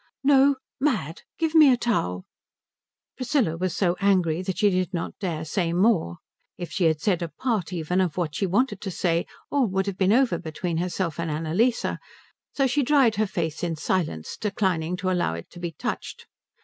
"No. Mad. Give me a towel." Priscilla was so angry that she did not dare say more. If she had said a part even of what she wanted to say all would have been over between herself and Annalise; so she dried her face in silence, declining to allow it to be touched.